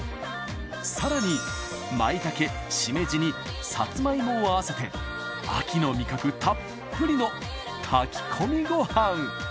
更に舞茸しめじにさつまいもを合わせて秋の味覚たっぷりの炊き込みごはん。